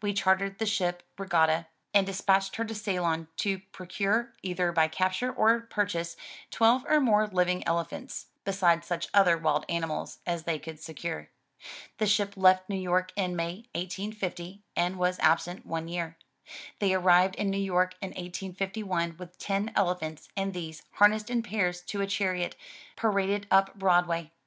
We chartered the ship Regatta, and despatched her to Ceylon to procure, either by capture or purchase, twelve or more living elephants, besides such other wild animals as they could secure. The ship left New York in May ,1850, and was absent one year. They arrived in New York in 1851 with ten elephants, and these, harnessed in pairs to a chariot, paraded up Broadway.